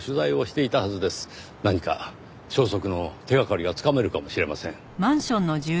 何か消息の手掛かりがつかめるかもしれません。